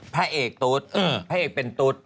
พระเอกตุ๊ดพระเอกเป็นตุ๊ด